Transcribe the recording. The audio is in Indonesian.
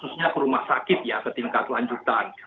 khususnya ke rumah sakit ya ke tingkat lanjutan